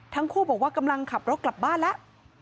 ทั้งคู่บอกว่ากำลังขับรถกลับบ้านแล้ว